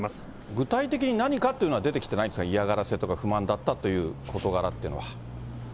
具体的に何かっていうのは出てきてないですか、嫌がらせとか不満だったという事柄っていうのは。